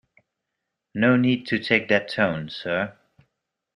No need to take that tone sir.